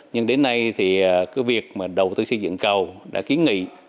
nhưng đến nay thì cái việc mà đầu tư xây dựng cầu đã kiến nghị